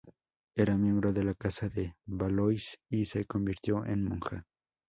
Era miembro de la Casa de Valois y se convirtió en monja.